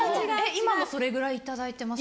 今もそれぐらい頂いてます？